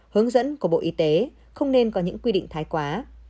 hướng dẫn của bộ y tế không nên có những quy định thái quá